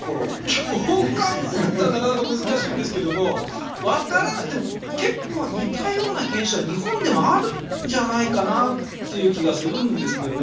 共感するというのはなかなか難しいんですけどもでも、結構似たような現象は日本でもあるんじゃないかなという気がするんですけどね。